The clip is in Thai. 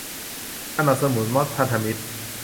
สนับสนุนม็อบพันธมิตร